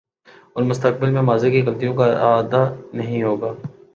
اورمستقبل میں ماضی کی غلطیوں کا اعادہ نہیں ہو گا۔